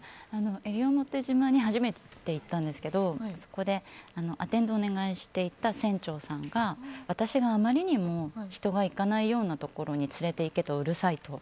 西表島に初めて行ったんですけどそこでアテンドをお願いしていた船長さんが私があまりにも人が行かないような場所に連れていけとうるさいと。